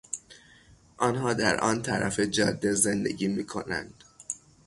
آنها در آن طرف جاده زندگی میکنند.